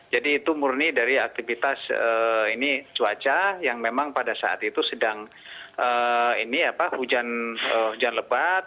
jadi itu murni dari aktivitas cuaca yang memang pada saat itu sedang hujan lebat